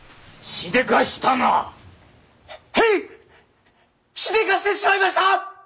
しでかしてしまいました！